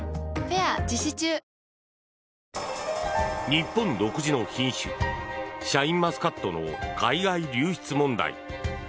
日本独自の品種シャインマスカットの海外流出問題。